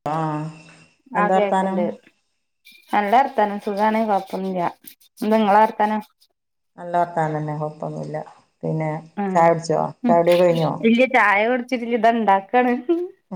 ആഹ് ആഹ് എന്താ വർത്താനം കേക്ക്ണ്ട് നല്ലർത്താനം സുഖാണ് കൊഴപ്പൊന്നുല്ല എന്താ ഇങ്ങള വർത്താനം നല്ലർത്താനം തന്നെ കൊപ്പൊന്നുല്ല പിന്നെ ആഹ് ചായ കുടിച്ചോ ഉം ചായ കുടി ഒക്കെ കഴിഞ്ഞോ ഇല്ല്യ ചായ കുടിച്ചിട്ടില്ല ഇതാ ഇണ്ടാക്കാണ്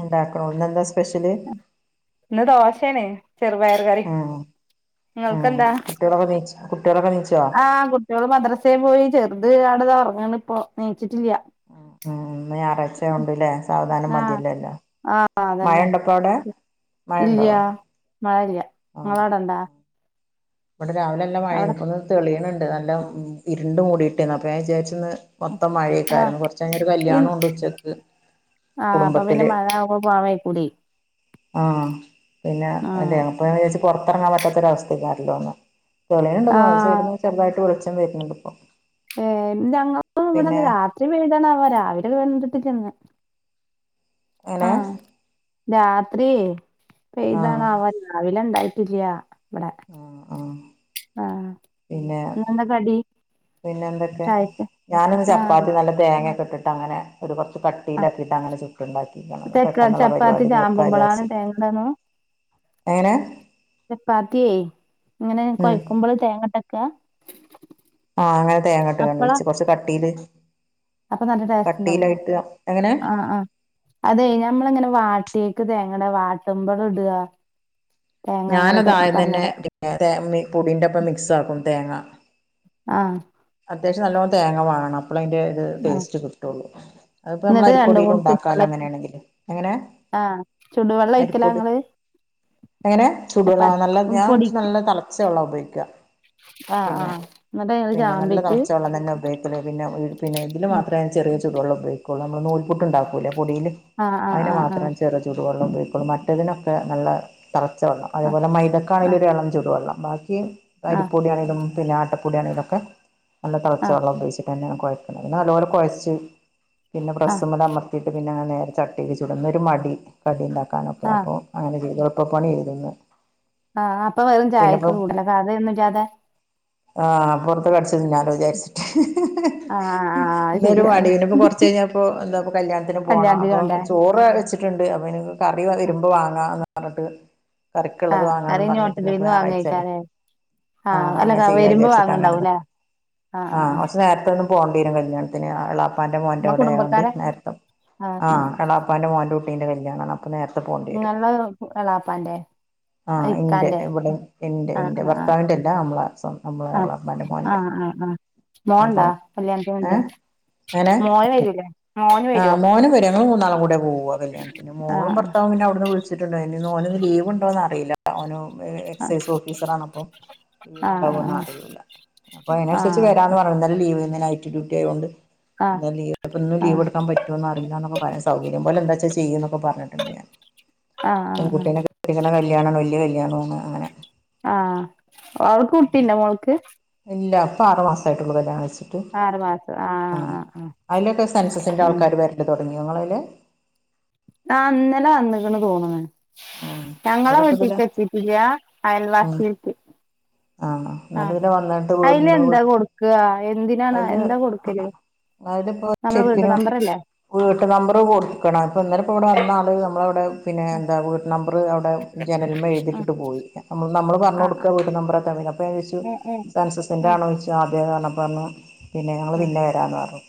ഇണ്ടാക്ക്ണൊളളൂ ഇന്നെന്താ സ്പെഷ്യൽ ഇന്ന് ദോശേണ്‌ ചെറുപയറ് കറീം. ഉം ഉം കുട്ടിയേളൊക്കെ നീച്ച് കുട്ടിയേളൊക്കെ നീച്ചോ കുട്ടിയേള് മദ്രസേ പോയി ചെർത് അവ്ടേതാ ഒർങ്ങാണ്പ്പോ നീച്ചിട്ടില്ല. ഉം ഇന്ന് ഞാറാഴ്ച്ചാവോണ്ട്ല്ലേ സാവധാനം ആഹ് മതില്ലല്ലോ എല്ലാം മഴണ്ടപ്പോ അവിടെ മഴണ്ടോ ഇല്ല്യാ മഴ ഇല്ല ആഹ് ഇങ്ങളവ്ടെണ്ടോ ഇവിടെ രാവിലല്ലോം മഴെന്നു ഇപ്പൊന്ന് തെളിയ്ണ് ഉണ്ട് നല്ല ഇരുണ്ട് മൂടിയിട്ടേന്നു അപ്പ ഞാൻ വിചാര്ച്ച്ന്ന് മൊത്തം ആഹ് മഴേക്കാരന്ന് കൊർച്ചയ്ഞ്ഞൊരു ഇൻ കല്യാണോണ്ട് ഉച്ചക്ക്. ആഹ് അപ്പൊ പിന്നെ കുടുംബത്തില് മഴ ആവുമ്പോ പോവാ വൈക്കൂലേ. ആഹ് പിന്നെ അല്ല ആഹ് അപ്പൊ ഞാ വിചാര്ച്ച് പൊർത്തെറങ്ങാൻപറ്റാത്തൊരവസ്ഥക്കാരല്ലോന്ന് തെളിയ്ണ്ട് തോന്ന്ണ്ട് ഒര് ആഹ് സൈഡിന്ന് ചെർതായിട്ട് വെളിച്ചം വര്ണ്‌ണ്ട് ഇപ്പൊ. ഏഹ് ഞങ്ങക്കും പിന്നെ ഇവടെ രാത്രി പെയ്തണാവോ രാവിലെയൊക്കെ കണ്ടിട്ടില്ലന്ന്. എങ്ങനെ രാത്രി ആഹ് പെയ്താണാവോ രാവിലെ ഇണ്ടായിട്ടില്ല. ഇവിടെ ആഹ് ഇല്ലാ ഇന്നെന്താ കടി പിന്നന്തൊക്ക ചായക്ക് ഞാനിന്ന് ആഹ് ചപ്പാത്തി നല്ല തേങ്ങൊക്കെ ഇട്ടിട്ട് അങ്ങനെ ഒരു കൊർച് ക തീ കഴിച്ചിട്ട് അങ്ങനെ ചുട്ട്ണ്ടാക്കിക്കാണ് ഇന്ന് തെക്ക പെട്ടന്ന്ള്ള ചപ്പാത്തി പരിവാടി ചാമ്പുമ്പളാണ് തീർക്കാചാരിച്ചിട്ടെ തേങ്ങടണു എങ്ങനെ ചപ്പാത്തിയേ ഇങ്ങനെ ഉം കൊയക്കുമ്പള് തേങ്ങട്ട് വെക്ക ആഹ് അങ്ങനെ തേങ്ങട്ട്ങ്ങാണ്ട് വെച്ച് കൊർച്ച് കട്ടീല്. അപ്പൊ നല്ല ടേസ്റ്റ്ണ്ടാവോ എങ്ങനെ ആഹ് ആഹ്. അതെയ് ഞമ്മളിങ്ങനെ വാട്ടീക്ക് തേങ്ങടാ വാട്ടുമ്പൾ ഇടാ ഞാനതാദ്യം തന്നെ പിന്നെ തേ മി പൊടീന്റൊപ്പം മിക്സാക്കും തേങ്ങ. ആഹ് അത്യാവശ്യം നല്ലോം തേങ്ങ വാണം അപ്പളയിന്റെ ന്റെ ആഹ് ടേസ്റ്റ് കിട്ടോള്ളൂ അത്പ്പോമ്മളെ എന്നിട്ട് രണ്ടും അരിപ്പൊടീലും കൂടി ഇണ്ടാക്കാലോ ചുടുവെള്ളം അങ്ങനേണെങ്കില് എങ്ങനെ ആഹ്. ചുടുവള്ളൊയ്ക്കലാണോ അരിപ്പൊടി നിങ്ങൾ എങ്ങനെ ചൂടുവെള്ള നല്ല ചപ്പാത്തി ഞാൻ പൊടി നല്ല തെളപ്പിച്ച വെള്ളം ഉപയോഗിക്കുക ആഹ് പിന്നെ ആഹ് എന്നിട്ട് അയില് പിന്നെ നല്ല ചാമ്പീറ്റ് തെളപ്പിച്ച വെള്ളം തന്നെ ഉപയോഗിക്ക പിന്നെ പിന്നെ ഇതിലു ഉം മാത്രേ ചെറിയ ചൂട് വെള്ളം ഉപയോഗുകുള്ളൂ നമ്മള് നൂൽ പുട്ടു ഉണ്ടാക്കൂലെ പൊടില് ആഹ് ആഹ് അതിന് ആഹ് മാത്രം ചെറു ചുടുവെള്ളം ഉപയോഗിക്കുള്ളൂ മറ്റതിനൊക്കെ നല്ല പച്ച വെള്ളം അതേപോലെ മൈതക്കാ ആണെങ്കില ആഹ് ഒരു വള്ളം ചൂടു വെള്ളം ബാക്കി ആഹ് അരിപ്പൊടിയണെലും പിന്നെ ആട്ടപ്പൊടാണെങ്കിലൊക്കെ നല്ല ആഹ് തെളച്ച ആഹ് വെള്ളം ഉപയോഗിച്ച് [unintelligible] കൊഴക്കുന്നത് ഇന്നാ നല്ലോണം കൊഴച്ച് പിന്നെ ആഹ് ആഹ് ബ്രസ് മ്മ അമർ [unintelligible] യിട്ട് പിന്നെ നേരെ ചട്ടിയിൽ ചുടും ഇന്നൊരു മടി കടി ഇണ്ടാക്കാനൊക്കെ ആഹ് അപ്പോ അങ്ങനെ ചെയ്തു ഇപ്പൊ പണി [unintelligible] ആഹ് അപ്പ വെറും ചായക്ക് [unintelligible] കറിയൊന്നുല്ലാതെ ആഹ് വെർതെ കട്ച്ച തിന്നാലോ വിചാർച്ചിട്ട് ആഹ് ആഹ് ആഹ് അത് ഇന്നൊരു ശരിയാണ് മടി ഇനിപ്പ കൊർച്ചയ്ഞ്ഞപ്പൊ എന്താപ്പോ കല്യാണത്തിന് പോണം കല്യാണത്തിന് അപ്പൊ കൊണ്ടോയ ചോ റ് വെച്ചിട്ടുണ്ട് അപ്പൊ അയ്ന് കറി വെരുമ്പോ വാങ്ങാന്ന് പർഞ്ഞിട്ട് കറിക്ക്ള്ളത് ആഹ് കറി വാങ്ങാന്നും ഇനി പർഞ്ഞിട്ട് ഇന്നിപ്പോ ഹോട്ടലീന്ന് ഞായറാഴ്ചല്ലേ വാങ്ങേക്കാരേ ആഹ് അല്ല അങ്ങനെ ചെയ്യ വരുമ്പോ വിചാരിച്ചിട്ടങ്ങനെ വാങ്ങണ്ടാവുംല്ലേ [unintelligible] ആഹ് കൊർച്ച് നേർത്തെന്നും പോണ്ടീരും കല്യാണത്തിന് അ എള്ളാപ്പാന്റെ ഇങ്ങളെ മോന്റോടെ ആയോണ്ട് കുടുംബക്കാരെ നേർത്തം ആഹ് എളാപ്പാന്റെ മോന്റെ കുട്ടിന്റെ കല്യാണാണ് അ പ്പോ നേർത്തെ പോ ഇങ്ങളെ എളാപ്പാന്റെ ആഹ് ഇന്റെ ഇക്കാന്റെ ഇവിടെ ഇന്റെ ആഹ് ഇന്റെ ആഹ് ഭർത്താവിന്റെല്ല നമ്മളെ സ്വൻ നമ്മളെ ആഹ് എളാപ്പാന്റെ മോന്റെ ആഹ് ആഹ് ആഹ് ആഹ് മോൻണ്ടാ അപ്പം കല്യാണത്തിന് കൊണ്ടോയ ഏഹ് എങ്ങനെ മോന് വരൂലേ മോന് ആഹ് വരോ മോനും വെരും ഞങ്ങള് മൂന്നാളും കൂടെ പോവാ കല്യാണ പിന്നെ മോളും ആഹ് ഭർത്താവും പിന്നെ അവിട്ന്ന് വിളിച്ചിട്ടുണ്ട്അയ്ന് ഓന് ന്ന് ലീവുണ്ടോന്ന് അറീല്ല ഓനോ ഏ ആഹ് എക്സൈസ് ഓഫീസറാണപ്പം ലീവ് ആഹ് ഉണ്ടാകോന്ന് ആഹ് അറിയില്ല അപ്പൊ ആഹ് അയ്നൻസർച്ച് വരാന്ന് ആഹ് പറഞ്ഞു ഇന്നലെ ലീവേനി നൈറ്റ് ഡ്യൂട്ടി ആയൊണ്ട് ആഹ് ആഹ് ഇന്നലെ ലീവ് ഇപ്പോ ഇന്നും ലീവെട്ക്കാ പറ്റോന്നറിയില്ലന്നൊക്കെ പറയ സൗകര്യം പോലെ എന്താച്ച ചെയ്യ്ന്നൊക്കെ പർഞ്ഞിട്ടുണ്ട് ഞാൻ ആഹ് ആഹ് ആഹ് പെങ്കുട്ടിനെ കെട്ടിച്ച്ണ കല്യാണാണു വല്യാ കല്യാണു ആണെ അങ്ങനെ ആഹ് അവൾക്ക് കുട്ടിയുണ്ടോ മോൾക്ക് ഇല്ല ഇപ്പൊ ആറ് മാസായിട്ടൊള്ളു കല്യാണം കഴിച്ചിട്ട് ആഹ് അയ്ലൊക്കെ സെൻസസിന്റെ ആൾക്കാര് വെർലു തൊടങ്ങിയോ ഞങ്ങള അതില ആഹ് ഇന്നലെ വന്നിക്കണ് തോന്ന്ണ് ആഹ് ഞങ്ങളെ ഇവിടൊക്കെ ഇതില് വീട്ടിക്കെത്തീട്ടില്ല അയൽ ഉം വാസി [unintelligible] ആഹ് ഇന്നട്ട് ങ്ങട്ട് വന്നിട്ട് വീടിന്റെ അയിലെന്താ കൊടുക്കാ എന്തിനാണ് എന്താ കൊടുക്കല് അവ്ടെ പോ നമ്മളെ വീട്ട് ശർക്കിനു നമ്പറല്ലേ വീട്ട് നമ്പറ് കൊട്ക്കണം ഇപ്പ ഇന്നലെ പ്പ ഇവടെ വന്ന ആള് നമ്മളവ്ടെ പിന്നെ എന്താ വീട്ട് നമ്പറ് അവ്ടെ ജനൽമ്മെ ആഹ് എഴുതിട്ട് പോയി നമ്മള് പർഞ്ഞു ആഹ് ആഹ് കൊട്ക്ക വീടു നമ്പറൊക്കെ അപ്പോ ഞാൻ ചോയ്ച്ച് ഏഹ് ഏഹ് സൻസസിന്റെ ഉം ആണോന്നു ചോയ്ച്ചു അതെന്ന് പർഞ്ഞപ്പോ പർഞ്ഞു പിന്നെ ഞങ്ങള് ഉം പിന്നെ വരാന്ന് പർഞ്ഞു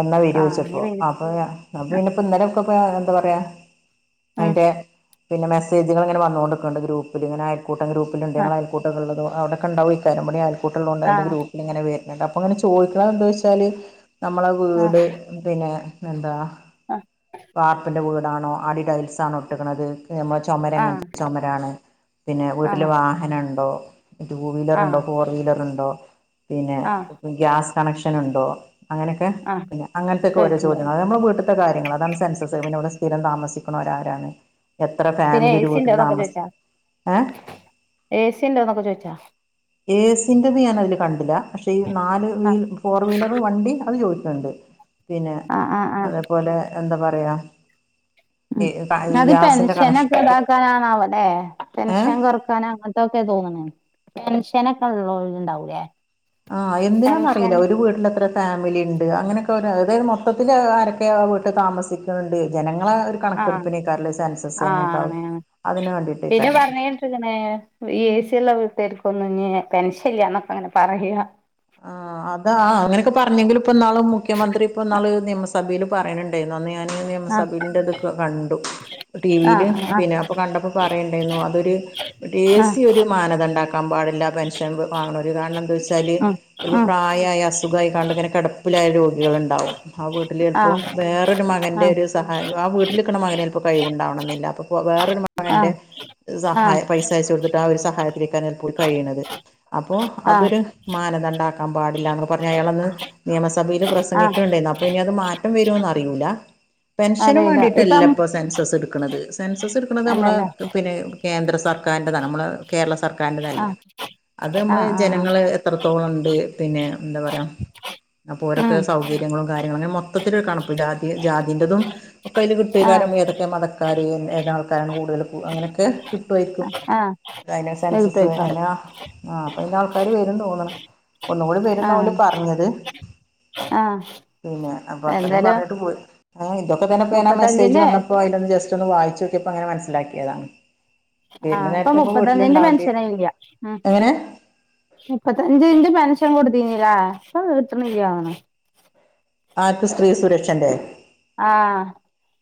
എന്നാ ആഹ് വെരോയ്ച്ചപ്പോ ഇനി വരും അപ്പൊ അപ്പ പിന്നപ്പോ ഇന്നലെ ഒക്കെ എന്താ പർയാ ഉം അയ്ന്റെ പിന്നെ മെസ്സേജുകൾ ഇങ്ങനെ വന്നോണ്ടിക്ക്ണ്ട് ഗ്രൂപ്പ്ലിങ്ങനെ കൂട്ടം ഗ്രൂപ്പിലുണ്ട് ഞങ്ങളെ ആഹ് അയൽക്കൂട്ടൾ ഉള്ള അവ്ടൊക്കെ ഉണ്ടകോക്കാരം ഇവടിം അൽക്കൂട്ടള്ളോണ്ട് അയ്ന്റെ ആഹ് ഗ്രൂ് ഇങ്ങനെ വെർഞ്ഞിട്ട് അപ്പൊ ഇങ്ങനെ ചോദിക്ക്ണ എന്താ വെച്ചാല് നമ്മളെ വീട് ആഹ് പിന്നെ എന്താ വാർപ്പിൻ്റെ വീടാണോ അടി ടൈൽസാണോ ഇട്ട്ക്ക്ണത് നമ്മളെ ആഹ് ചൊമരങ്ങൻത്തെ ചൊമരാണ് പിന്നെ ആഹ് വീട്ടില് ആഹ് വാഹനം ഇണ്ടോ ടൂ വീലർണ്ടോ ആഹ് ഫോർ വീലർണ്ടോ പിന്നെ ആഹ് ഗ്യാസ് കണക്ഷന്ണ്ടോ അങ്ങനെക്കെ ആഹ് പിന്നെ അങ്ങൻ തൊക്കെ ഓരോ ചോയ്ക്ക്ണ്ടാവും ചോദ്യങ്ങൾ അഹ് നമ്മളെ വീട്ട് ത്തെ കാര്യങ്ങള് അതാണ് സെൻസസ് പിന്നെ ഇവിടെ സ്ഥിരം താമസിക്കുന്നോര് ആരാണ് പിന്നെ ഏ സി ഉണ്ടോന്നുന്നൊക്കെ ചോയ്ച്ചോ ഏഹ് ഏസിണ്ടോന്നൊക്കെ ചോയ്ച്ചോ ഏസിൻ്റത് ഞാൻ അതില് കണ്ടില പക്ഷേ ഈ നാല് ആഹ് ഫോർ വീലർ വണ്ടി അത് ചോയ്ക്ക്ണ്ട് [inaudible] പിന്നെ ആഹ് ആഹ് അതേപോലെ എന്താ പറയാ ഉം അത് പെൻഷനൊക്കെ ഇതാക്കാനാണാവോലെ ഏഹ് പെൻഷൻ കൊർ ട്ടാന് അങ്ങനത്തൊക്കെ തോന്ന്ണ്. ടെൻഷനൊക്കെ ഇള്ളോല് ഇണ്ടാവുലെ. ആഹ്. എന്തിനാന്നറീല്ല. ഒരു വീട്ടില് എത്ര ഫാമിലി ഇണ്ട്. അങ്ങനൊക്കെ അതായത് മൊ മൊത്തത്തില് ആരൊക്കെ ആ വീട്ട് താമസിക്ക്ണ് ണ്ട് ജനങ്ങളെ ആ ഒരു ആഹ് കണക്കെടുപ്പിനേക്കാരലെ. സെൻസസ് ആഹ് അങ്ങൻത്തെ അതിന് വേണ്ടിയിട്ടേക്കാരം. ഇങ്ങനെ ഈ ഏസി ഇള്ള വീട്ടുകാർക്കൊന്നും ഇഞ്ഞ് പെൻഷൻ ഇല്ല ഇന്നൊക്കെ അങ്ങനെ പറയ. ആഹ് അത അങ്ങനെയൊക്കെ പറഞ്ഞെങ്കിലും ഇപ്പ നാളും മുഖ്യമന്ത്രി ഇപ്പ നാള് നിയമസഭേലും പറിണ് ണ്ടേന്നു. അന്ന് ഞാൻ ആഹ് നിയമസഭെന്റെ ഇതൊക്കെ കണ്ടു. ടി വീല്. ആഹ് ആഹ് പിന്നെ അപ്പൊ കണ്ടപ്പോ പറയുണ്ടായിന്നു. അതൊരു ആഹ് ടേസി ഒരു മാനദണ്ടാക്ക കാമ്പാടില്ല. പെൻഷൻ വാങ്ങ്ണോരു കാരണം. എന്താ വെച്ചാല്. ഉം ഒരു ഉം പ്രായായ അസുഖായി കാണ്ട് ഇങ്ങനെ കെടപ്പിലായ രോഗികള് ഉണ്ടാവും. ആ വീട്ടില് ചെൽപ്പോ ആഹ് വേറൊരു മകന്റെ ആഹ് ഒരു സഹായം ആ വീട്ടില്ക്ക്ണ മകന് ചെൽപ്പം കഴിവുണ്ടാവണംന്നില്ല അപ്പ വേറൊരു മക മകന്റെ ഒരു ആഹ് ആഹ് സഹായം. പൈസ അയച്ച കൊടുത്തിട്ട് ആ ഒരു സഹായത്തിലേക്കാണ് ഇപ്പൊ കഴിണത്. അപ്പൊ ആഹ് അതൊരു മാനദണ്ഡ കാമ്പാടില്ലാന്നൊക്കെ പറഞ് അയാളന്ന് നിയമസഭേല് ആഹ് പ്രസംഗിക്ക്ണ്ടേന്നു. അപ്പൊ ഇനി അത് മാറ്റം വെരോന്ന് അറിയൂല. പെൻഷനും അറിയില്ല വേണ്ടീട്ടല്ല ഇപ്പം ഇപ്പൊ സെൻസസ് എടുക്ക്ണ്ത്. സെൻസസ് എടുക്ക്ണത് നമ്മളെ അല്ലല്ലേ പിന്നെ കേന്ദ്ര സർക്കാരിൻന്റെതാണ്. നമ്മളെ കേരള സർക്കാരിന്റെതല്ല. ആഹ് അത് നമ്മള് ആഹ് ആഹ് ആഹ് ജനങ്ങള് എത്രത്തോളം ഇണ്ട് പിന്നെ എന്താ പറയാ. അപ്പൊ ഓരൊക്കെ ഉം സൗകര്യങ്ങളും കാര്യങ്ങളും അങ്ങനെ മൊത്തത്തില് കണക്ക്. ജാതി ജാതിന്റെതും. ഒക്കയില് ആഹ് കിട്ട്വാക്കാരം. ഏതൊക്കെ മതക്കാര്, ഏതാ ആൾക്കാരാണ്, കൂടുതല് അങ്ങനെയൊക്കെ രിക്കും. ആഹ് അ സെൻസസ് അ ആഹ് [unintelligible] ആ അപ്പ അയ്ന്റെ ആൾക്കാര് വരും തോന്ന്ണ്. ഒന്നും കൂടി വരുന്ന ഓല് പറഞ്ഞത്. പിന്നെ അപ്പൊ അത്രെ എന്തായാലും പറഞ്ഞിട്ട് പോയി. ഏഹ്. ഇതൊക്കെ തന്നെ ഇപ്പ ഞാനാ മെസ്സേജ് മുപ്പത്തഞ്ചിന്റെ വന്നപ്പോ അതിലൊന്ന് ജസ്റ്റ് ഒന്ന് വായിച്ചോക്ക്യപ്പോ അങ്ങനെ മനസ്സിലാക്കിയതാണ്. വരുന്ന ആഹ് ഇപ്പ നേരത്തെ ഇപ്പോ മുപ്പത്തഞ്ചിന്റെ വീട്ടിലുണ്ടാവേണ്ടി പെൻഷ്യന് ഇല്ല. എങ്ങനെ മുപ്പത്തഞ്ചിന്റെ പെൻഷൻ കൊടുത്തീനിലെ. ഇപ്പ കിട്ട്ണില്ലാ തോന്ന്ണ്. ആർക്ക് സ്ത്രീ സുരക്ഷന്റെ. ആ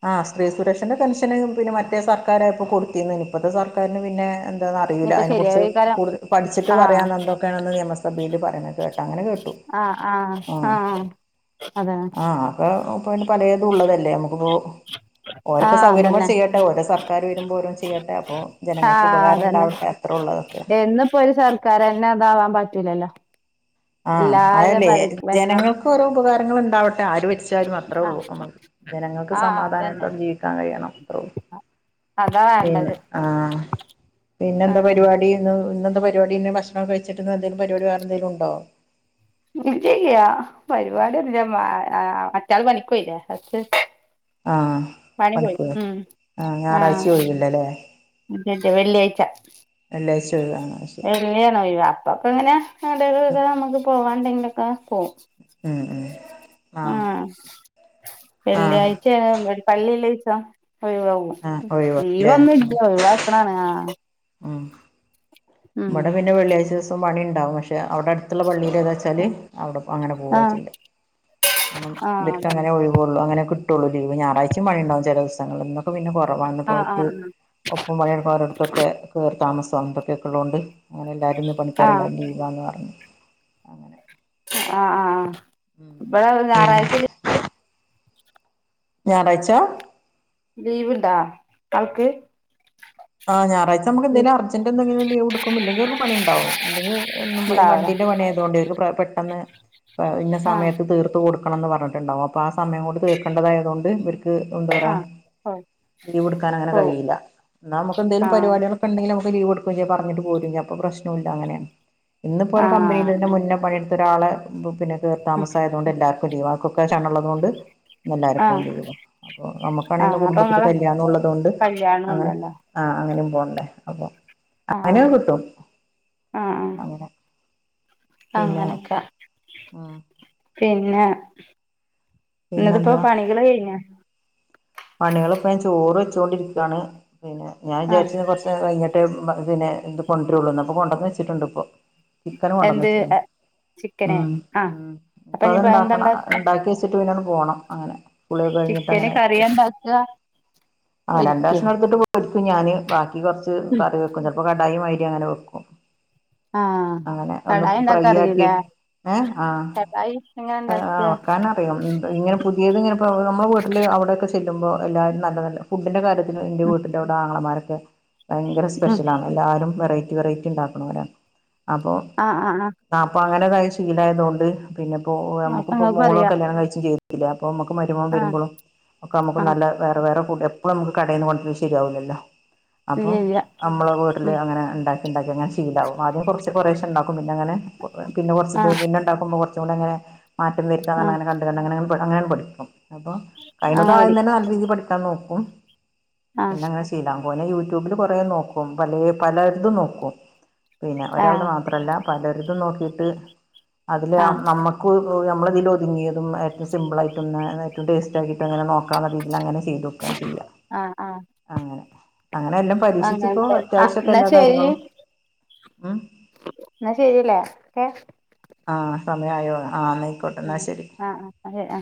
ആഹ് സ്ത്രീ സുരക്ഷന്റെ പെൻഷന് പിന്നെ മറ്റേ സർക്കാരായപ്പൊ കൊടുത്തീന്നു. ഇപ്പത്തെ സർക്കാരിന് പിന്നെ. എന്താന്ന് അറിയൂല്ല. ഇനിയിപ്പ അതിനെക്കുറിച്ച് ശരിയാവേക്കാരം കൂടുതൽ പഠിച്ചിട്ട് ആഹ് പറയാന്ന എന്തൊക്കെയണെന്ന് നിയമസഭേല് പറയുന്നത് കേട്ടാ. അങ്ങനെ കേട്ടു. ആഹ് ആഹ് ആഹ് അതെ ഇപ്പോ പിന്നെ പലേതു ഉള്ളതല്ലേ നമുക്ക്പ്പോ ഓരെക്ക ആഹ് സൗകര്യം പോലെ അതന്നെ ചെയ്യട്ടെ. ഓരോ സർക്കാർ വരുമ്പോരോന്ന് ചെയ്യട്ടെ. അപ്പോ ജനങ്ങൾക്ക് ഉപകാരം ഇണ്ടാവട്ടെ അത്ര ഒള്ളു അതൊക്കെ. എന്നിപ്പൊരു സർ കാരന്നെ അതാവാൻ പറ്റൂലല്ലോ. ആഹ് എല്ലാരും അതല്ലെ. ഭ ഭരണം ജനങ്ങൾക്ക് ഓരോ ഉപകാരങ്ങള് ഇണ്ടാവട്ടെ ആര് ഭ രിച്ചാലും അത്രള്ളു ആഹ് നമ്മക്ക്. ജനങ്ങൾക്ക് ആഹ് അതന്നെ സമാധാനത്തോട് ജീവിക്കാൻ കഴിയണം. അത്രള്ളു. അതാ പിന്നെ വേണ്ടത് ആഹ്. പിന്നെന്താ ആഹ് പരിപാടി. ഇന്ന് ഇന്നെന്താ പരിപാടി ഭക്ഷണോക്കെ കഴിച്ചിട്ട് ഇന്ന് എന്തേലും പരിപാടി വേറെ എന്തേലും ഉണ്ടോ. ഇല്ല ഇല്യ. പരിപാട്യാെന്നുല്ലമ്മാ മറ്റാള് പണിക്ക് പോയില്ലെ. ആഹ് പണിക്കോയൊ. ഉം ഏഹ് ഞായറാഴ്ച ഒഴിവില്ലലെ. വെള്ള്യാഴ്ച്ച വെള്ളാഴ്ച്ച ഒഴിവ് ആ ശെരി. [unintelligible] അപ്പൊ പിന്നെ [unintelligible] ഇങ്ങനെ നമുക്ക് പോവാണ്ടെങ്കിലൊക്കെ പോകും. ഉം ഉം ആഹ് ആഹ് വെള്ള്യാഴ് [unintelligible] പള്ളില്ലെ ദിവസം ഒഴിവാവും. ആഹ് ഒഴിവാല്ലേ ലീവൊന്നുല്ല ഉം ഒഴിവാക് ക്ക്ണാണ് ആഹ്. ഉം ഇവിടെ പിന്നെ വെള്ളിയാഴ്ച ദിവസം പണി ഉണ്ടാവും. പക്ഷെ അവിടെ അടുത്തുള്ള പള്ളിയിൽ ഒക്കെ അടുത്തുള്ള പള്ളിയിൽച്ചാൽ അങ്ങനെ പോകും ആഹ് ചെയ. ആഹ് ഇവർക്കങ്ങനെ അതന്നെ ഓയിവ്. ള്ളൂ, അങ്ങനെ കിട്ടുള്ളൂ. പിന്നെ ഞായറാഴ്ച പണിയുണ്ടാവും. ചിലദിവസങ്ങളിൽ ഇ ന്നൊക്കെ പിന്നെ കുറവാന്ന്. ഇന്നുപ്പോൽ ആഹ് ക്ക് ആഹ് ഒപ്പം പണിയടുക്കുന്നവരെ അടുത്തൊക്കെ കയറി താമസം, അങ്ങനെക്കെ ഉള്ളതൊണ്ട് അങ്ങനെല്ലാരും, ആഹ് പണിക്കാരല്ലാരും ലീവാണ് പറഞ്ഞു. അങ്ങനെ ആ, ആ. ഇവടെ പിന്നെ ഞായറാഴ്ച ലി ഞായറാഴ്ച ലീവ് ഉണ്ടോ ആൾക്? ആ, ഞായാഴ്ച നമുക്കു എന്തങ്കിലും അർജെന്റ് എന്തെങ്കിലും ലീവ് എടുക്കും. ഇ ല്ലെങ്കിൽ ഒക്കെ പണിണ്ടാവും. അല്ലങ്കിൽ ഈ ഉണ്ടാവൂല വണ്ടീൻ്റെ പണി ആയതുകകൊണ്ടെ പെട്ടെന്ന് ഇന്നെ ആഹ് സമയത്ത് തീർത്ത് കൊടുക്ക തീർത്തുകൊടുക്കണന്ന് പറഞ്ഞട്ടുണ്ടാവും, അപ്പോ ആ സമയം കൊണ്ട് തീർക്കണ്ടതായതുകൊണ്ട് ഇവർക്ക് എന്താ പറയാ ആഹ് പോവും ലീവ് എടുക്കാൻങ്ങനെ പോവും കഴിയില്ല. എന്ന നമുക്ക് എന്തെലും ആഹ് പരിപാടിക പരിപാടികളൊക്കെ ണ്ടെങ്കിൽ നമ്മ ക്ക് ലീവ് എടുക്കുകയും ചെയ്യ, പറഞ്ഞിട്ട് പോരും ചെയ്യാ. അപ്പൊ പ്രശ്നല്ല അങ്ങനെ. ഇന്നുപ്പോ ഓലെ കമ്പനിയിൽ നിന്ന് ആഹ് മുന്നേ പണിയെടുത്ത ഒരാളെ പിന്നെ കേറി താമസംമായതുകൊണ്ട് എല്ലാവർക്കും ലീവ, അവർ ക്കൊക്കെ ക്ഷണംഉള്ളതുകൊണ്ട് എല്ലാവർക്കും ഇന്നു ആഹ് ലിവ. നമ്മുക്കാണന്ന് ആഹ് അപ്പൊ കുടുംബത്തിൽ ഇങ്ങളെ കല്യാണം ഉള്ളതുകൊണ്ട് അങ്ങനെ കല്യാണുണ്ടല്ലോ അ, അതി നും പോണ്ടേ, അപ്പൊ ആഹ് അതിനൊക്കെ കിട്ടും അങ്ങനെ അങ്ങനെയൊക്കെ. ആഹ [inaudible] പിന്നെ എന്നിട്ട് ഇപ്പൊ പിന്നെന്താ പണികൾ കഴിഞ്ഞോ? പണികൾ ഇപ്പോ ഞാൻ ചോറ് വെച്ചുകൊണ്ടിരിക്കുകയാണ്. പിന്നെ ഞാൻ ആ വിചാരിച്ചു കുറ കുറച്ച് കഴിഞ്ഞിട്ട് പിന്നെ ഇതു കൊണ്ടരള്ളൂന്ന്. അപ്പൊ കൊണ്ടുവന്ന് വെച്ചിട്ടുണ്ട് ഇപ്പോ. ചിക്കന് എന്ത് കൊണ്ടുവന്നച്ചേ, ചിക്കന് ഉം. ആ അപ്പ അപ്പൊ ഇനിപ്പോ അത്ണ്ടാക്കണം എന്താണ്ടാക്ക ഉണ്ടാക്കിവെച്ച് ഉണ്ടാക്കി വെച്ചിട്ട് പോണം അങ്ങനെ കുളിയൊക്കെ കഴിഞ്ഞിട്ട് ചിക്കന് അങ്ങനെ കറിയ എണ്ടാക്ക? ആ, രണ്ട് കഷ്ണം എടുത്തിട്ട് [unintelligible] ഞാന്. ബാക്കി കുറച്ച് കറി വെക്കും. ചിലപ്പോ കടായി മാതിരി അങ്ങനെ വെക്കും. ആ അങ്ങനെ ഒന്ന് കടായി ഫ്രൈ ഉണ്ടാക്കാ അറിയില്ല ആക്കിട്ട്. ഏ, ആ. കടായി എങ്ങനെ ഉണ്ടാക്കുക വെക്കണം. അ, ഇങ്ങനെ പുതിയത് ഇങ്ങനെ നമ്മൾ വീട്ടിൽ അവിയൊക്കെുമ്പോ ചെല്ലുമ്പോൾ എല്ലാവരും നല്ല നല്ല ഫുഡിന്റെറെ കാര്യത്തി എന്റെ ഉം വിട്ടിൽ അവിടെ ആങ്ങളമാരൊക്കെ ഭയങ്കര ഉം സ്പെഷ്യലണ്. എല്ലാവരും വെറൈറ്റി വെറൈറ്റി ഉണ്ടാക്കണവരാ അപ്പോൾ ആ, ആ. ആ, അപ്പൊ അങ്ങനെ കായ്ച്ചു, ശി ലയതുകൊണ്ട്, പിന്നെപ്പോ അപ്പൊ നമുക്കിപ്പോ നിങ്ങൾക്ക് മോൾ അറിയാ കല്യാണം കഴിച്ചു [unintelligible] അപ്പോ നമുക്ക് മരുമോൻ ആ വരുമ്പോളും ഒക്കെ നമുക്ക് ആ നല്ല വേറെ വേറെ ഫുഡ്, എപ്പളും നമുക്ക് കടയിൽന്ന് കൊണ്ടുവരൽ ശരിയാവില്ലല്ലോ. ഇല്ല അപ്പം ഇല്ല നമ്മൾ വീട്ടിൽ ഉം അങ്ങനെ ഉണ്ടാക്കി ഉണ്ടാക്കി അങ്ങനെ ശീലാകും. ആദ്യം കുറച്ച് കുറേശം ഉണ്ടാക്കും. പിന്നേ അങ്ങനെ പിന്നെ കുറച് ആ ഇത്. പിന്നെണ്ടാക്കുമ്പോ കുറച്ച കൂടിങ്ങന മാറ്റ വരുത്ത ന്ന് ആ അങ്ങനെ കണ്ട് കണ്ട് അങ്ങനെ പഠിച്ചു. അങ്ങനെയാണ് പഠിക്കും. അപ്പൊ കഴിയാണത് ആദ്യം അങ്ങനപടി തന്നെ നല്ല രീതിയിൽ പഠിക്കാൻ നോക്കും. ആ പിന്നെങ്ങനെ ശീലാകും. പിന്നെ അതുപോലെ യൂട്യൂബില് കുറേ നോക്കും. പല പലതും നോക്കും. പിന്നെ ആ ഒരാൾത് മാത്രമല്ല. പലരിതും നോക്കിട്ട് അതിൽ ആ നമുക്ക് നമ്മു ക്ക് നമ്മളതിൽ ഒതുങ്ങിയതും ഏറ്റവും സിമ്പിൾ ആയിട്ട ഒന്ന് ഏറ്റവും ടേസ്റ്റ് ആയിട്ട് ആയിട്ടന്ന നോക്കാ രീതിൽ അങ്ങനെ ചെയ്ത് നോക്ക ചെയ്യ ആ ആ അങ്ങനെ. അങ്ങനെ എല്ലാം പരീക്ഷിച്ചിപ്പോ അങ്ങനത്തെ ആ അത്യാവശ്യൊക്കെ എന്നാ എല്ലാ ശരി കാര്യങ്ങളും, ഉം. എന്നാ ശരിലെ ഓക്കേ. ആ, സമയമായോ ആവാനയിക്കും. ആ, അതെ ആ.